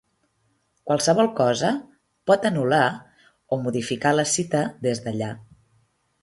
Qualsevol cosa pot anul·lar o modificar la cita des d'allà.